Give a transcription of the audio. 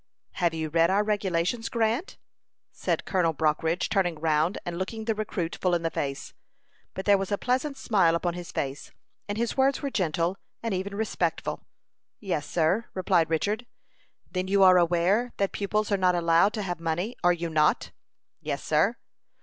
"Have you read our regulations, Grant?" said Colonel Brockridge, turning round and looking the recruit full in the face. But there was a pleasant smile upon his face, and his words were gentle, and even respectful. "Yes, sir," replied Richard. "Then you are aware that pupils are not allowed to have money are you not?" "Yes, sir."